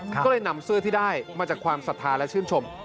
ก็เลยนำเสื้อที่ได้มาจากความศรัทธาและชื่นชม